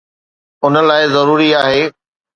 ان لاءِ ضروري آهي